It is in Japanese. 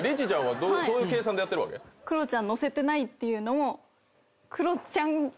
クロちゃん載せてないっていうのも。